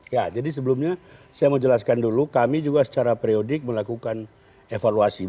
ya jadi sebelumnya saya mau jelaskan dulu kami juga secara periodik melakukan evaluasi